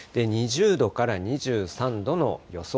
２０度から２３度の予想